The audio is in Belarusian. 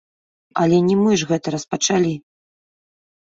Але не мы ж гэта распачалі.